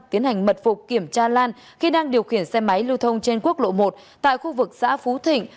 tiến hành mật phục kiểm tra lan khi đang điều khiển xe máy lưu thông trên quốc lộ một tại khu vực xã phú thịnh